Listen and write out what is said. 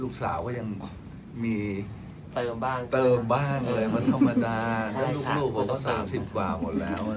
ลูกสาวก็ยังมีเติมบ้างอะไรมาธรรมดาแล้วลูกหนูผมก็สามสิบกว่าหมดแล้ว